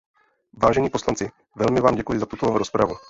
Vážení poslanci, velmi vám děkuji za tuto rozpravu.